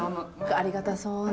ありがたそうに。